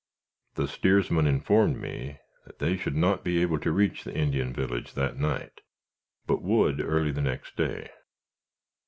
The steersman informed me they should not be able to reach the Indian village that night, but would early the next day.